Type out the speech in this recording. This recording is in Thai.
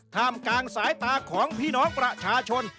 ท่ามกลางสายตาของพี่น้องประชาชน